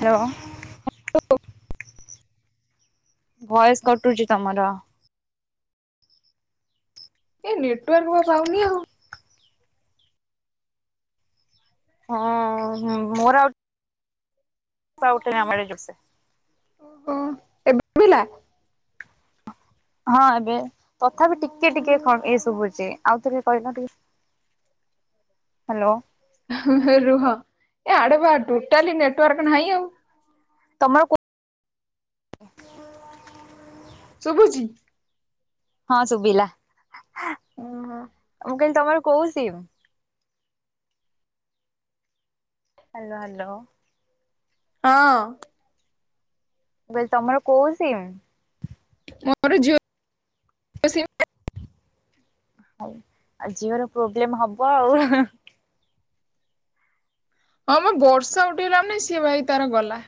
Hello. Voice କଟୁଚି ତମର। ଏ ନେଟୱାର୍କ ବା ପାଉନି ଆଉ। ହଁ ମୋର ଆଉ ର୍ଷା ଉଠେଇଲାଣି ଆମ ଆଡେ ଯେର ସେ। [unintelligible] ହଁ ଏବେ ତଥା ବିି ଟିକେ ଟିକେ ଏ ଶୁଭୁଚି ଆଉଟିକେ କହିଲ ଟିକେ। ହ୍ୟାଲୋ। ରୁହ ଏ ଆଡେ ବା ଟୋଟାଲି ନେଟୱାର୍କ ନାହିଁ ଆଉ। ତମର ସୁଭୁଚି? ହଁ ଶୁଭିଲା। ଓହୋ ମୁଁ କହିଲି ତମର କୋଉ ସିମ୍? [unintelligible] ହଁ। ମୁଁ କହିଲି ତମର କୋଉ ସିମ୍? ମୋର ଜିଓ ସିମ୍ ପା। ଆଉ ଜିଓ ର ପ୍ରୋବ୍ଲେମ ହବ ଆଉ। ହଁ ଆମ ବର୍ଷା ଉଠେଇଲା ମାନେ ସିଏ ଭାଇ ତାର ଗଲା।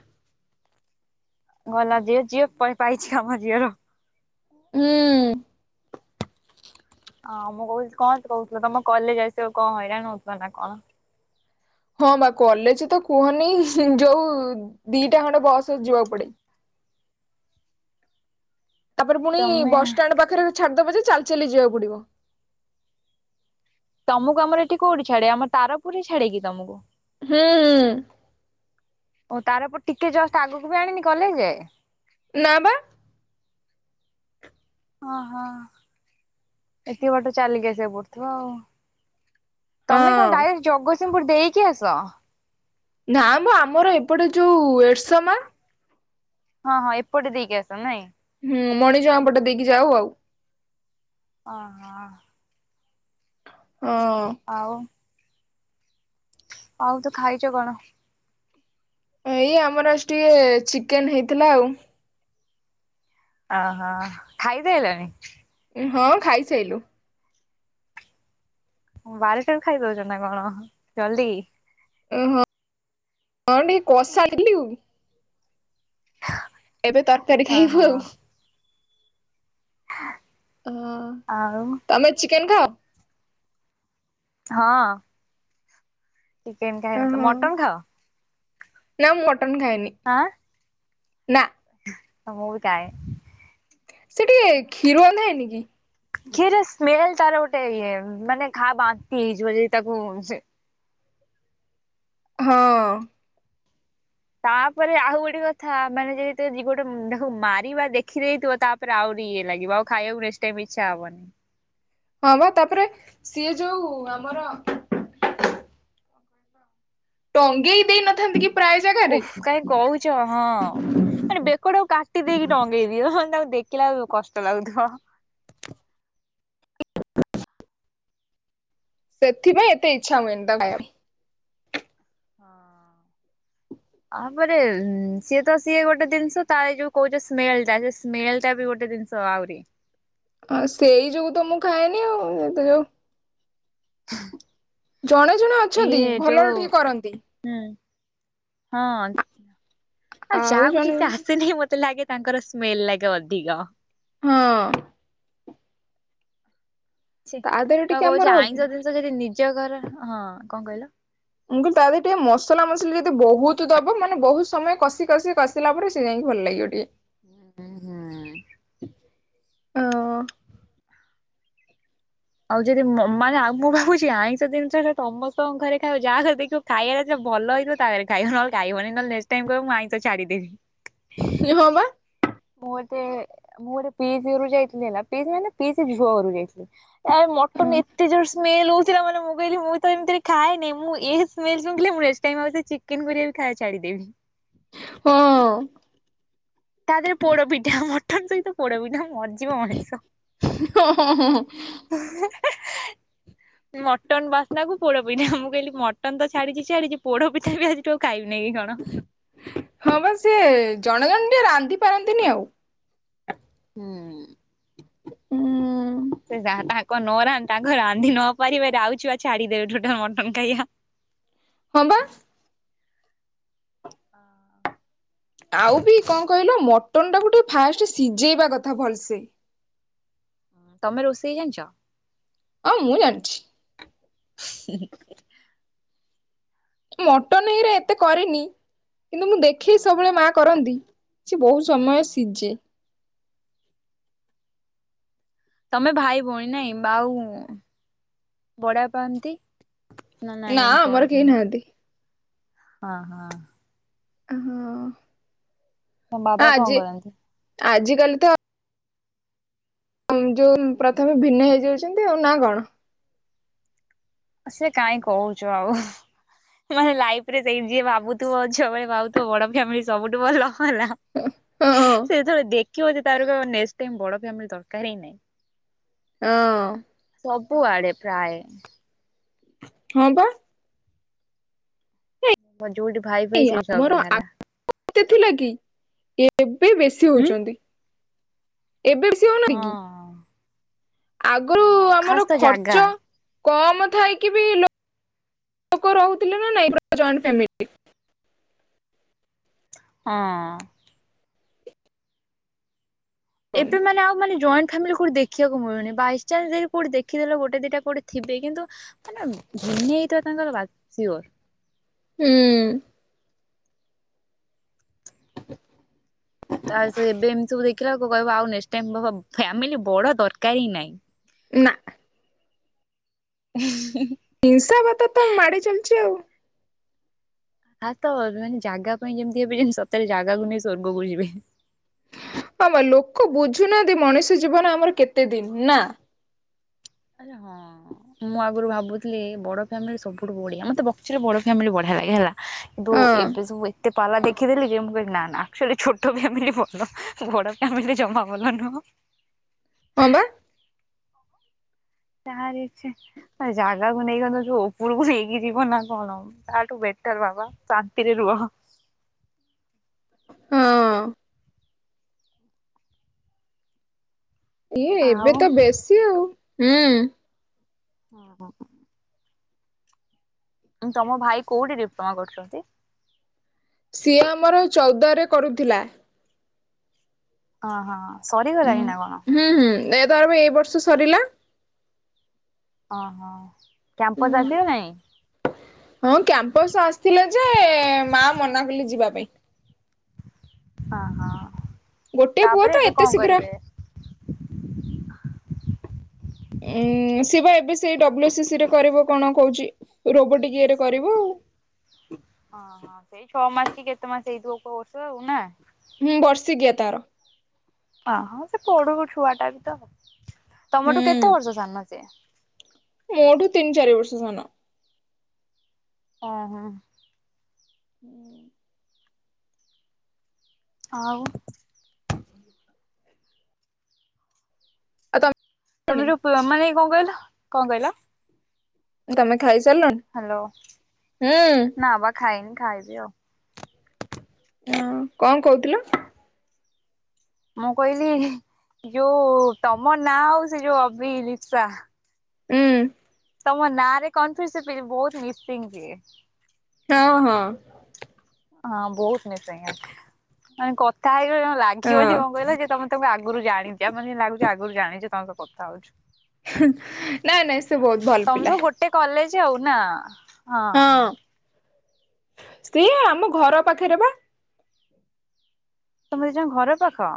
ଗଲା ଦିଅ ଯିଅ ପାଇଚି କାମ ଦିଅର। ହୁଁ। ହଁ ମୁଁ କହୁଚି କଣ କହୁଥିଲ ତମ କଲେଜ ଆସିବ କଣ ହଇରାଣ ହଉଥିଲା ନା କଣ? ହଁ ବା କଲେଜ ତ କୁହନି ଯୋଉ ଦିଟା ଖଣ୍ଡେ ବସ୍ ଯିବାକୁ ପଡେ। ତାପରେ ପୁଣି ତମେ ବସଷ୍ଟାଣ୍ଡ ପାଖରେ ଛାଡିଦବ ଯେ ଚାଲି ଚାଲି ଯିବାକୁ ପଡିବ। ତମକୁ ଆମର ଏଠି କୋଉଠି ଛାଡେ ଆମ ତାରପୁରରେ ଛାଡେ କିି ତମକୁ? ହୁଁ ହୁଁ। ତାରପୁରରୁ ଟିକେ ଜଷ୍ଟ ଆଗକୁ ବି ଆଣିନି କଲେଜ ଯାଏ। ନା ବା। ହଁ ହଁ ଏତିକ ବାଟ ଚାଲିକି ଆସିବା ପଡୁଥିବ। ତମେ କଣ ହଁ। ଡାଇରେକ୍ଟ ଜଗତସିଂହପୁର ଦେଇକି ଆସ? ନାଁ ମ ଆମର ଏପଟେ ଯୋଉ ଏଡସମା ହଁ ହଁ ଏପଟେ ଦେଇକି ଆସ ନାଇଁ? ହୁଁ ମଣିଜଙ୍କା ପଟେ ଦେଇକି ଯାଉ ଆଉ। ଓହୋ। ହଁ। ଆଉ। ଆଉ ତୁ ଖାଇଚୁ କଣ? ଏଇ ଆମର ଆଜି ଟିକେ ଚିକେନ ହେଇଥିଲା ଆଉ। ଓହୋ ଖାଇଦେଲଣି? ହଁ ଖାଇସାଇଲୁ। ବାରୁଟାରୁ ଖାଇଦଉଛ ନା କଣ ଜଲ୍ଦି। ଓ ହଁ ହଁ ଟିକେ କସା ଖାଇଲୁ। ଏବେ ତରକାରୀ ଖାଇବୁ ଓହୋ। ଆଉ। ହଁ ଆଉ ତମେ ଚିକେନ୍ ଖାଅ? ହଁ। ଚିକେନ ଖାଏ, ତ ମଟନ ଖାଅ। ନାଁ ମୁଁ ମଟନ୍ ଖାଏନି। ଆଁ। ନାଁ। [unintelligible] ସେ ଟିକେ କ୍ଷୀରୁଆ ଗନ୍ଧେଇନିକି। ଖିରେ ସ୍ମେଲ୍ ତାର ଗୋଟେ ଇଏ ମାନେ ଖା ବାନ୍ତି ହେଇଯିବ ତାକୁ ସେ ହଁ। ତାପରେ ଆଉ ଗୋଟେ କଥା ମାନେ ଯଦି ତାକୁ ଜୀବ ଟାକୁ ମାରିବା ଦେଖିଦେଇଥିବ ତା ଆହୁରି ଇଏ ଲାଗିବ ଆଉ ଖାଇବାକୁ ନେକ୍ସଟ ଟାଇମ ଇଚ୍ଛା ହବନି। ହଁ ବା ତାପରେ ସିଏ ଯୋଉ ଆମର ଟଙ୍ଗେଇ ଦେଇନଥାନ୍ତି କି ପ୍ରାୟ। ଜାଗାରେ ଉଫ୍ କାହିଁ କହୁଛ ହଁ। ମାନେ ବେକଟକୁ କାଟି ଦେଇକି ଟଙ୍ଗେଇ ଦିଅ ତାଙ୍କୁ ଦେଖିଲା କୁ କଷ୍ଟ ଲାଗୁଥିବ। ସେଥିପାଇଁ ଏତେ ଇଚ୍ଛା ହୁଏନି ତାକୁ ଖାଇବାକୁ। ହଁ। ତାପରେ ସିଏ ତ ସିଏ ଗୋଟେ ଜିନିଷ ତାର ଯୋଉ କହୁଛ ସ୍ମେଲ୍ ଟା ସେ ସ୍ମେଲ୍ ଟା ବି ଗୋଟେ ଜିନିଷ। ତ ଆହୁରି। ହଁ ସେଇ ଯୋଗୁ ତ ମୁଁ ଖାଏନି ଆଉ ଏତେ ଯୋଉ। ହୁଁ। ଜଣେ ଜଣେ ଅଛନ୍ତି ଭଲରେ ଟିକେ କରନ୍ତି। ହୁଁ ହଁ ଆଉ ଆଉ ଯାହାକୁ ଜଣେ ଠିକ୍ ସେ ଆସେନି ମତେ ଲାଗେ ତାଙ୍କର ସ୍ମେଲ୍ ଲାଗେ ଅଧିକ। ହଁ। ଛି ତା ଦେହରେ ମୁଁ ବା ଟିକେ କହୁଛି ଆମର ଆଇଁଷ ମୁଁ ଜିନିଷ ଯଦି ନିଜ ଘର ହଁ କଣ କହିଲ। ମୁଁ କହିଲି ତା ଦେହରେ ଟିକେ ମସଲା ମସଲା ଯଦି ବହୁତ ଦବ ମାନେ ବହୁତ ସମୟ କଷି କଷି କଷି କଷିଲା ପରେ ସେ ଯାଇକି ଭଲ ଲାଗିବ ଟିକେ। ହୁଁ ହୁଁ ହୁଁ। ହଁ। ଆଉ ଯଦି ମ ମାନେ ଆଉ ମୁଁ ଭାବୁଛି ଆଇଁଷ ଜିନିଷ ତ ସମସ୍ତଙ୍କ ଘରେ ଖାଇବା ଯାହା ଘରେ ଦେଖିବ ଖାଇବା ଯେତେବେଳେ ଭଲ ହେଇଥିବ ତା ଘରେ ଖାଇବ ନହେଲେ ଖାଇବନି ନହେଲେ ନେଷ୍ଟ ଟାଇମ କହିବ ମୁଁ ଆଇଁଶ ଛାଡ଼ିଦେବି। ଇଏ ହଁ ବା। ମୁଁ ଗୋଟେ ମୁଁ ଗୋଟେ ପିଇଷି ଘରକୁ ଯାଇଥିଲି ନା ପିଇଷି ମାନେ ପିଇବି ଝୁଅ ଘରକୁ ଯାଇଥିଲି। ଆଏ ମଟନ୍ ଏତେ ଜୋର୍ ରେ ସ୍ମେଲ୍ ହଉଥିଲା ମାନେ ମୁଁ କହିଲି ମୁଁ ତ ଏମିତିରେ ଖାଏନି ମୁଁ ଏ ସ୍ମେଲ୍ ଶୁଂଘିଲେ ମୁଁ ନେଷ୍ଟ୍ ଆଉ ସେ ଚିକେନ୍ କରିବା ବି ଖାଇଆ ଛାଡ଼ିଦେବି। ହଁ ତା ଦିହରେ ପୋଡପିଠା ମଟନ୍ ସହିତ ପୋଡପିଠା ମଜା ଯିବ ମଣିଶ ହଁ ମଟନ୍ ବାସ୍ନା କୁ ପୋଡ ପିଠା ମୁଁ କହିଲି ମ ଟନ ତ ଛାଡିଛି ଛାଡିଛି ପୋଡ ପିଠା ବି ଆଜି ଠୁ ଆଉ ଖାଇବି ନି କି କଣ? ହଁ ବା ସିଏ ଜଣେ ଜଣ ଟିକେ ରାନ୍ଧି ପାରନ୍ତିନି ଆଉ। ହୁଁ ହୁଁ। ଉ ଉଁ ସେ ଯାହା ତାଙ୍କ ନରା ତାଙ୍କ ରାନ୍ଧି ନ ପାରିବେ ରାଉଛି ବା ଛାଡିଦେବେ ଠୁଟ ମଟନ୍ ଖାଇବା। ହଁ ବା। ହଁ। ଆଉ ବି କଣ କହିଲ ମଟନ୍ ଟାକୁ ଟିକେ ଫାଷ୍ଟ ସିଝେଇବା କଥା ଭଲସେ। ତମେ ରୋଷେଇ ଜାଣିଛ? ହଁ ମୁଁ ଜାଣିଛି। ହ [unintelligible] [inaudible] ମଟନ ଇଏରେ ହଁ ଏତେ କରିରେନି କିନ୍ତୁ ମୁଁ ହଁ ଦେଖେଇ ସବୁବେଳେ ମା କରନ୍ତି। ସେ ବହୁତ ହଁ ସମୟ ହଁ। ସିଝେ। ତମେ ଭାଇ ଭଉଣୀ ନାଇଁ ବାଉ ବଡବାପା ଏମିତି ନା ଆମର କେହି ନାହାନ୍ତି। ହଁ ହଁ। ହଁ ହଁ ତମ ବାବା କଣ ଆଜି କରନ୍ତି? ଆଜିିକାଲି ତ ଯୋଉ ପ୍ରଥମେ ଭିନ୍ନ ହେଇଯାଉଛନ୍ତି ଆଉ ନା କଣ? ସେ କାହିଁ କହୁଛୁ ଆଉ ମାନେ ଲାଇଫ ରେ ସେଇ ଯିଏ ଭାବୁଥିବ ଝିଅ ବଳେ ଭାବୁ ତୋ ବଡ ଫ୍ୟାମିଲି ସବୁଠୁ ଭଲ ହେଲା ହଁ ହଁ ସେ ଯେତେବେଳ ଦେଖ ଖିବ ଜେ ତାର କହିବ ନେକ୍ସଟ୍ ଟାଇମ୍ ବଡ ଫ୍ୟାମିଲୀ ଦରକାର ହିଁ ନାଇ। ଅଁ। ସବୁଆଡ଼େ ପ୍ରାୟେ। ହଁ ବା। ମୋ ଯୋଉଠି ଭାଇ ଫାଇ ଏଇ ସେଇଠି ଆମର ଝଗଡା ହେଲା। ଥିଲା କି ଏବେ ବେଶୀ ହୁଁ। ହଉଛନ୍ତି। ଏବେ ବେଶୀ ହେଉନ୍ତୀ କି? ହଁ ଆଗରୁ ହଁ ଆମର ଖାସ୍ ତ ଜାଗା ଖର୍ଚ୍ଚ କମ ଥାଇକି ବି ଲୋକ ରହୁଥିଲେ ନା ନାଇଁ ଜଏଣ୍ଟ ଫ୍ୟାମିଲୀ? ହଁ। ହୁଁ ଏବେ ମାନେ ଆଉ ମାନେ ଜଏ ଫ୍ୟାମିଲୀ କୋଉଠି ଦେଖିବାକୁ ମିଳୁନି ବାଇଚାନ୍ସ କୋଉଠି ଦେଖିଦେଲ ଗୋଟେ ଦିଟା କୋଉଠି ଥିବେ କିନ୍ତୁ ମାନେ ଭିନ୍ନ ହେଇଥିବା ତାଙ୍କର ବା ସିଓର। ହୁଁ। ତା ସେ ଏବେ ଏମିତି ସବୁ ଦେଖିଲା ବେଳକୁ କହିବ ଆଉ ନେକ୍ସଟ୍ ଟାଇମ୍ ଫ୍ୟାମିଲୀ ବଡ ଦରକାର ହିଁ ନାଇଁ। ନା। ହ [unintelligible] ହିଂସା ବାତ ତ ମାଡ଼ି ଚାଲିଛି ଆଉ। ଆ ତ ମାନେ ଜାଗା ପାଇଁ ଯେମିତି ଏବେ ଜିନିସ ସତରେ ଜାଗାକୁ ନେଇ ସ୍ଵର୍ଗ କୁ ଯିବେ। ହ ବା ଲୋକ ବୁଝୁନାହାନ୍ତି ମଣିଷ ଜୀବନ ଆମର କେତେ ଦିନ ନା? ଆରେ ହଁ। ମୁଁ ଆଗରୁ ଭାବୁଥିଲି ବଡ ଫ୍ୟାମିଲି ସବୁଠୁ ବଢିଆ ମତେ ପକ୍ଷରେ ବଡ ଫ୍ୟାମିଲି ବଢିଆ ଲାଗେ ହେଲା। କିନ୍ତୁ ହଁ ଏବେ ସବୁ ଏ ଏତେ ପାଲା ଦେଖି ଦେଲି ଯେ ମୁଁ କହିଲି ନା ନା ଅଚୁଅଲି ଛୋଟ ଫ୍ୟାମିଲି ଭଲ ବଡ ଫ୍ୟାମିଲି ଜମା ଭଲ ନୁହଁ। ହଁ ବା। ତାହାର ଇଛା ଜାଗାକୁ ନେଇଗଲ ଯଉ ଉପରକୁ ନେଇକି ଯିବ ନା କଣ। ତାଠୁ ବେଟର ବାବା ଶାନ୍ତିରେ ରୁହ। ହଁ। ଇଏ ଏବେ ଆଉ ତ ବେଶୀ ଆଉ ହୁଁ। [unintelligible] ତମ ଭାଇ କୋଉଠି ଡିପ୍ଲୋମା କରୁଛନ୍ତି? ସିଏ ଆମର ଚଉଦୁଆ ରେ କରୁଥିଲା। ଅହଁ। ଉଁ ହୁଁ ହୁଁ ଏ ତାର ପା ଏଇ ବର୍ଷ ସରିଲା। ଅହ କ୍ୟାମ୍ପସ୍ ଆସିଗଲାଣି। ହଁ କ୍ୟାମ୍ପସ ଆସିଥିଲା ଯେ ମା ମନା କଲେ ଯିବା ପାଇଁ। ହଁ ହଁ ଗୋଟେ ପୁଅ ତ ତାପରେ ଏବେ ଏତେ କଣ ଶୀଘ୍ର କରିବେ? ଉଁ ଶିଏ ବା ଏବେ ସେଇ ଡବ୍ଲୁ ଏସେ ସି ସରେ କରିବ କଣ କହୁଛି ରୋବଟିକ ଇଏରେ କରିବ ଆଉ। ଓଁହଁ ସେଇ ଛଅ ମାସ କି କେତେ ମାସ ହେଇଥିବ କୋର୍ଷ ଆଉ ନା। ହୁଁ ବର୍ଷି କିଆ ତାର। ଅହଁ ସେ ପଢୁ ଛୁଆ ଟା ବି ତ ତମଠୁ ହୁଁ କେତେ ବର୍ଷ ସାନ ସିଏ। ମୋଠୁ ତିନି ଚାରି ବର୍ଷ ସାନ। ଅ ହଁ। ହୁଁ। ଆଉ। ଆ ତମ ତମେ ଯୋଉ [unintelligible] ମାନେ କଣ କହିଲ କଣ କହିଲ। ତମେ ଖାଇ ସାରିଲଣି। ହ୍ୟାଲୋ ନା ବା ଖାଇନି ଖାଇବି ଆଉ। ହଁ କଣ କହୁଥିଲ? ମୁଁ କହିଲି ଯୋଉ ତମ ନାଁ ଆଉ ସେ ଯୋଉ ଅବିଲିପ୍ସା। ହୁଁ। ତମ ନାଁ ରେ କନ୍ଫ୍ଯୁସ୍ ବହୁତ ମିସିଂ ସିଏ। ହଁ ହଁ। ହଁ ବହୁତ ମିସିଂ ମାନେ କଥା ହେଇଗଲେ ହଁ ଲାଗିବନି କଣ କହିଲ ଯେ ତମେ ତମ ଆଗରୁ ଜାଣିଛି ଆଉ ମାନେଲାଗୁଛି ଆଗରୁ ଜାଣିଛେ ତମ ସହ କଥା ହଉଛୁ। ନାଇଁ ନାଇଁ ସେ ବହୁତ ଭଲ ତମେ ପିଲା। ସବୁ ଗୋଟେ କଲେଜ ଆଉ ନା। ହଁ ସ୍ତ୍ରୀ ଆମ ଘର ପାଖରେ ବା। ତମେ ଦିଜଣ ଘର ପାଖ।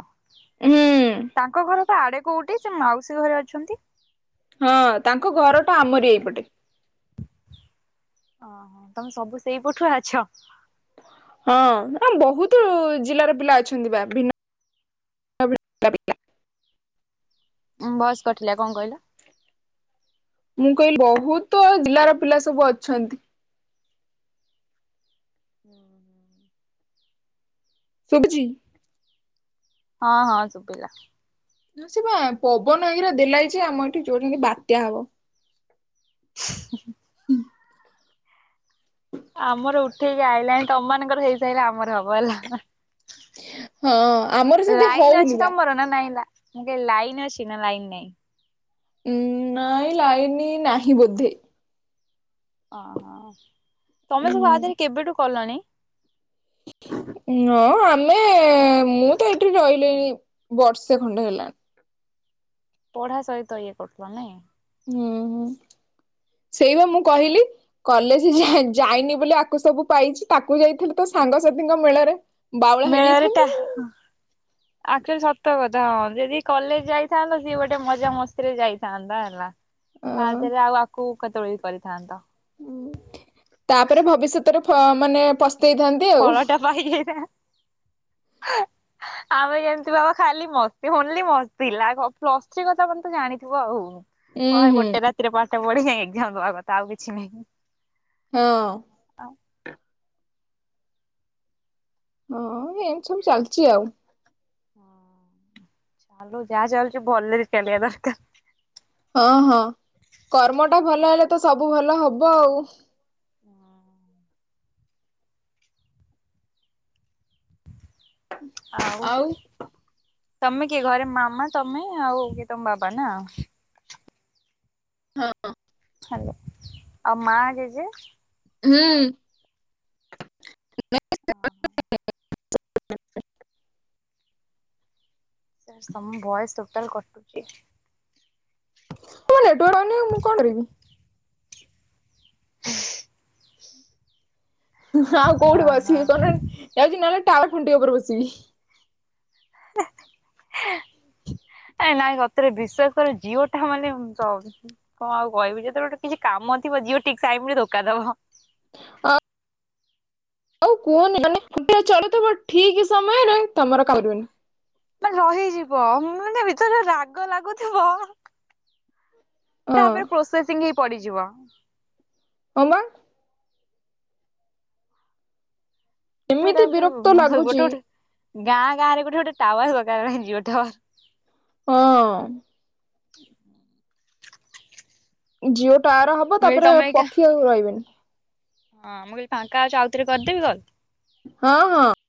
ହୁଁ। ତାଙ୍କ ଘର ତ ଆଡେ କୋଉଠି ସେ ମାଉସୀଙ୍କ ଘରେ ଅଛନ୍ତି। ହଁ ତାଙ୍କ ଘର ଟା ଆମରି ଏଇପଟେ। ଓହୋ ତମେ ସବୁ ସେଇ ପଟୁଆ ଅଛ। ହଁ ନା ବହୁତ ଜିଲ୍ଲାର ପିଲା ଅଛନ୍ତି ବା ଭିନ୍ ଉଁ ଭଏସ୍ କଟିଲା କଣ କହିଲ? ମୁଁ କହିଲି ବହୁତ ଜିଲ୍ଲାର ପିଲା ସବୁ ଅଛନ୍ତି। ହୁଁ ହୁଁ। ଶୁଭୁଚି। ହଁ ହଁ ଶୁଭିଲା। ସେ ପା ପବନ ଏଇରା ଦେଲାଇ ଯେ ଆମ ଏଠି ଯୋଉାଟିକି ବାତ୍ୟା ହବ। [inaudible] ଆମର ଉଠେଇକି ଆଇଲାଣି ତମମାନଙ୍କର ହେଇସାଇଲେ ଆମର ହବ ହେଲା। ହଁ ଆମର ସେମିତି ଲାଇନ୍ ହଉନି ଅଛି ବା ତମର ନା ନାଇଁଲା? ମୁଁ କହିଲି ଲାଇନ୍ ଅଛି ନା ଲାଇନ୍ ନାଇଁ? ଉଁ ନାଇଁ ଲାଇନ୍‌ ନାହିଁ ବୋଧେ। ଓହୋ, ତମେ ସବୁ ଆ ଦେହରେ ହୁଁ କେବେଠୁ କଲଣି? ନଁ ଆମେ ମୁଁ ତ ଏଠି ରହିଲିଣି ବର୍ଷେ ଖଣ୍ଡେ ହେଲାଣି। ପଢା ସହିତ ଇଏ କରୁଥିଲ ନାଇଁ? ହୁଁ ହୁଁ, ସେଇବା ମୁଁ କହିଲି। କଲେଜ ଝା ଯାଇନି ବୋଲି ଆକୁ ସବୁ ପାଇଛି ତାକୁ ଯାଇଥିଲେ ତୋ ସାଙ୍ଗସାଥିଙ୍କ ମେଳରେ ବାଉଳା ମେଳରେ ହେଇଯାଇଥାନ୍ତି ଟା ଆକ୍ଚୋଚୋଲି ସତ କଥା ହଁ, ଯଦି କଲେଜ ଯାଇଥାନ୍ତ ସିଏ ଗୋଟେ ମଜା ମସ୍ତିରେ ଯାଇଥାନ୍ତା, ହେଲା। ତା ଦେହରେ ଆଉ ଆକୁ କେତେବେଳେ ବି କରିଥାନ୍ତ। ତାପରେ ଭବିଷ୍ୟତରେ ଫ ମାନେ ପସ୍ତେଇଥାନ୍ତ୍ ଫଳଟା ବହିଯାଇଥା [unintelligible] ଆମେ ଯେମିତି ବାବା ଖାଲି ମସ୍ତି, ଓନ୍ଲି ମସ୍ ଥିଲା। ପ୍ଲସ୍ଥ୍ରୀ କଥା ତମେ ତ ଜାଣିଥିବ ଆଉ। ହଁ, ଉୁଁ ହେଇ ହୁଁ ଗୋଟେ ରାତିରେ ପାଠ ପଢିକି ଏକ୍ଜାମ୍ ଦବା କଥା ଆଉ କିଛି ନାହିଁ। ହଁ। ହଁ ହଁ ଏମିତି ସବୁ ଚାଲିଛି ଆଉ। ଆଲୋ, ଯାହା ଚାଲିଛି ଭଲରେ ଚାଲିବା ଦରକାର। ହଁ, ହଁ, କର୍ମଟା ଭଲ ହେଲେ ତ ସବୁ ଭଲ ହବ ଆଉ। [unintelligible] [inaudible] ଆଉ, ତମେ କିଏ ଘରେ ମାମା, ତମେ ଆଉ କିଏ ତମ ବାବା ନା? ହଁ। ହାଲୋ, ଆଉ ମା ଜେଜେ? ହୁଁ। ଅଁ, ହଁ। ତମ ଭଏସ୍‌ ଟୋଟାଲ୍ କଟୁଚି। ମୋ ନେଟୱାର୍କ ପାଉନି, ମୁଁ କଣ କରିବି? ଆଉ ଅ କୋଉଠି ହଁ। ବସିବି କହନାଇ, ଯାଉଛି, ନହେଲେ ଟାୱାର ଖୁଣ୍ଟି ଉପରେ ବସିବି। [inaudible] [inaudible] ଏ ନାଇଁ ସତରେ ବିଶ୍ଵାସକର, ଜିଓଟା ମାନେ ସ କଣ ଆଉ କହିବି, ଯେତେବେଳେ ଗୋଟେ କିଛି କାମ ଥିବ, ଜିଓ ଠିକ୍ ଟାଇମ୍ ରେ ଧୋକା ଦବ। ଅ ଆଉ କୁହନି, ମାନେ [unintelligible] ଚଳୁଥିବ ଠିକ୍ ସମୟରେ ତମର କାମ ଦବନି। ମାନେ ରହିଯିବ, ମାନେ ଭିତରେ ଯୋଉ ରାଗ ଲାଗୁଥୁବ ହଁ ତାପରେ ପ୍ରୋସେସିଂ ହେଇ ପଡ଼ିଯିବ। ହଁ, ପା। ଯଉଟା, ଏମିତି ବିରକ୍ତ [unintelligible] ଗୋଟେ ଲାଗୁଛି ଗୋଟେ ଗାଁ ଗାଁରେ ଗୋଟେ ଗୋଟେ ଟାୱାର ଦରକାର ହେଲାଣି ଜିଓ ଟାୱାର। ହଁ। ଜିଓ ଟାୱାର ହବ, ମୁଁ କହିଲି ତାପରେ ତମେ ଏଇକା ପକ୍ଷୀ ଆଉ ରହିବେନି। ହଁ ମୁଁ କହିଲି ଫାଙ୍କା ଅଛ ଆଉ ଥରେ କରିଦେବି କଲ୍? ହଁ ହଁ।